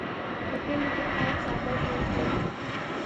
په کلي کې خلک ساده ژوند کوي